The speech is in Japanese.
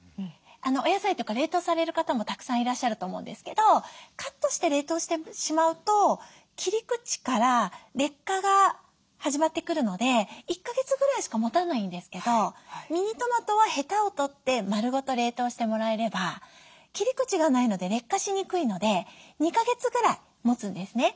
お野菜とか冷凍される方もたくさんいらっしゃると思うんですけどカットして冷凍してしまうと切り口から劣化が始まってくるので１か月ぐらいしかもたないんですけどミニトマトはヘタを取って丸ごと冷凍してもらえれば切り口がないので劣化しにくいので２か月くらいもつんですね。